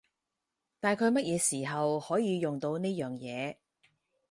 大概乜嘢時候可以用到呢樣嘢？